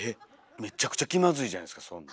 めっちゃくちゃ気まずいじゃないですかそんなん。